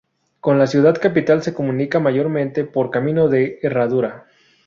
Con la ciudad capital se comunica mayormente por camino de herradura.